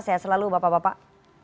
sehat selalu bapak bapak